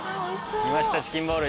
きましたチキンボール。